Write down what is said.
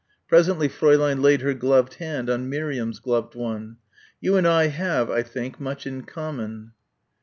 Presently Fräulein laid her gloved hand on Miriam's gloved one. "You and I have, I think, much in common."